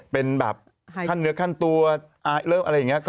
เป็นแบบขั้นเนื้อขั้นตัวเริ่มอะไรอย่างนี้